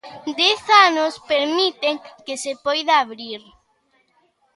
Dez anos permiten que se poida abrir.